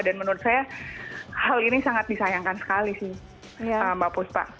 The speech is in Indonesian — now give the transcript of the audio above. dan menurut saya hal ini sangat disayangkan sekali sih mbak puspa